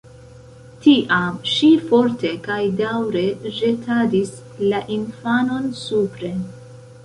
Tiam ŝi forte kaj daŭre ĵetadis la infanon supren.